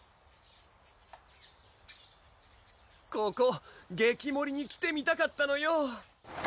ここ激盛りに来てみたかったのよ